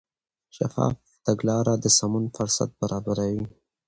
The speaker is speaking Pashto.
شفاف تګلاره د سمون فرصت برابروي.